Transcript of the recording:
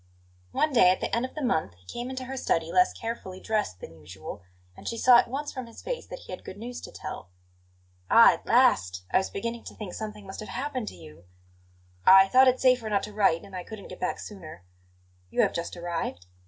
One day at the end of the month he came into her study less carefully dressed than usual, and she saw at once from his face that he had good news to tell. "Ah, at last! I was beginning to think something must have happened to you!" "I thought it safer not to write, and I couldn't get back sooner." "You have just arrived?"